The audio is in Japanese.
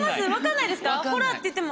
「ほら」って言っても。